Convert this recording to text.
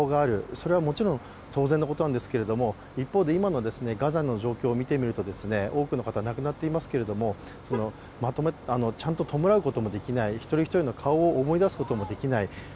それはもちろん当然のことなんですけれども一方で今のガザの状況を見てみますと多くの方、亡くなっていますけどもちゃんと弔うこともできない一人一人の顔を思い出すこともできない。